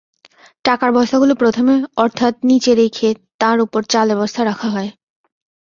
টাকার বস্তাগুলো প্রথমে অর্থাত্ নিচে রেখে তার ওপর চালের বস্তা রাখা হয়।